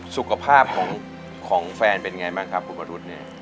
สุขภาพของแฟนเป็นไงบ้างครับคุณวรุธเนี่ย